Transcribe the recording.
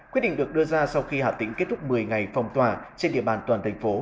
quyết định được đưa ra sau khi hà tĩnh kết thúc một mươi ngày phòng tòa trên địa bàn toàn thành phố